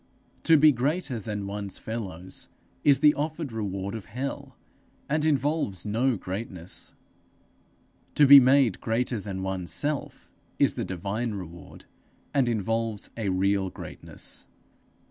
To be made greater than one's fellows is the offered reward of hell, and involves no greatness; to be made greater than one's self, is the divine reward, and involves a real greatness.